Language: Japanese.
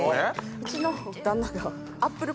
うちの旦那が。